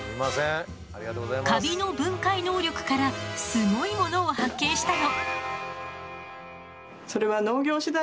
カビの分解能力からすごいものを発見したの。